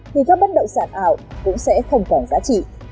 thì các bất động sản ảo cũng sẽ không còn giá trị